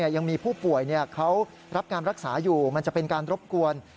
ยังมีผู้ป่วยเขารับการรักษาอยู่มันจะเป็นการรบกวน